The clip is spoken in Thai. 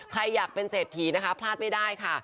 ใครอยากเป็นเศรษฐีนะคะพลาดไม่ได้ค่ะ